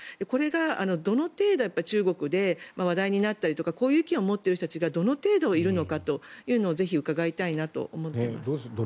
これがどの程度中国で話題になったりとかこういう意見を持っている人たちがどの程度いるのかというのをぜひ伺いたいなと思っています。